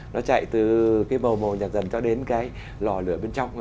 nó chạy từ cái màu màu nhạc dần cho đến cái lò lửa bên trong